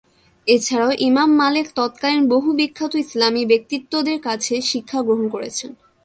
এছাড়াও Imam Malik তৎকালীন বহু বিখ্যাত ইসলামি ব্যক্তিত্বদের কাছে শিক্ষা গ্রহণ করেন।